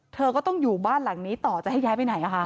เธอก็ต้องอยู่บ้านหลังนี้ต่อจะให้ย้ายไปไหน